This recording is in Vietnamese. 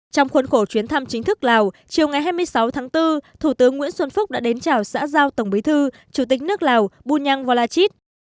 trong khuôn khổ chuyến thăm chính thức lào chiều ngày hai mươi sáu tháng bốn thủ tướng nguyễn xuân phúc đã đến chào xã giao tổng bí thư chủ tịch nước lào bù nhăng vo la chít